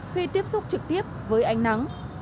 khi tiếp xúc trực tiếp với ánh nắng